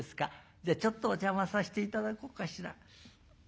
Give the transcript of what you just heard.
じゃあちょっとお邪魔させて頂こうかしら。